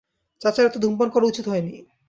চাচার এত ধূমপান করা উচিত হয়নি।